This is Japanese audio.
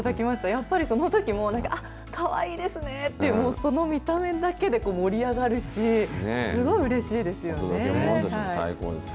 やっぱりそのときも、あっ、かわいいですねって、もうその見た目だけで、盛り上がるし、すごいう最高です。